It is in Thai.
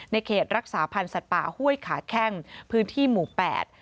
เขตรักษาพันธ์สัตว์ป่าห้วยขาแข้งพื้นที่หมู่แปด